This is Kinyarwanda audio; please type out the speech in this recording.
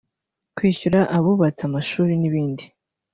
kwishyura abubatse amashuri n’ibindi